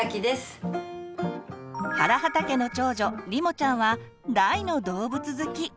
原畠家の長女りもちゃんは大の動物好き。